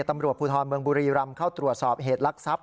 ตำรวจภูทรเมืองบุรีรำเข้าตรวจสอบเหตุลักษัพ